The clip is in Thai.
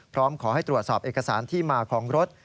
พร้อมขอให้ตรวจสอบเอกสารที่มาของรถ